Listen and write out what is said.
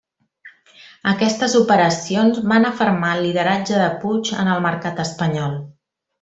Aquestes operacions van afermar el lideratge de Puig en el mercat espanyol.